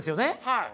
はい。